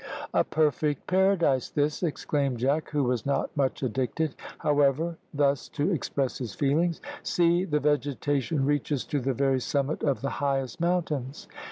"A perfect paradise, this," exclaimed Jack, who was not much addicted, however, thus to express his feelings. "See, the vegetation reaches to the very summit of the highest mountains."